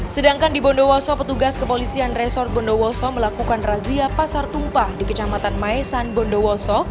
sedangkan di bondowoso petugas kepolisian resort bondowoso melakukan razia pasar tumpah di kecamatan maesan bondowoso